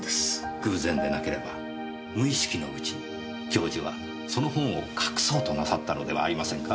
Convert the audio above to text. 偶然でなければ無意識のうちに教授はその本を隠そうとなさったのではありませんか？